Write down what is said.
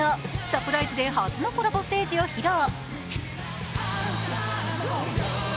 サプライズで初のコラボステージを披露。